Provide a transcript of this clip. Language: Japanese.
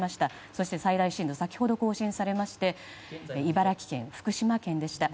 そして、最大震度が先ほど更新されまして茨城県、福島県でした。